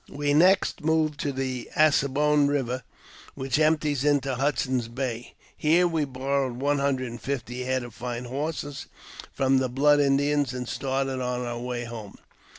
We next moved to the As ne boine Eiver, which empties into Hudson's Bay. Here we borrowed one hundred and fifty head of fine horses from the Blood Indians, and started on our way home.